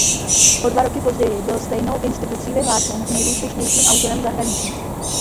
O dva roky později byl stejnou institucí vyhlášen nejúspěšnějším autorem v zahraničí.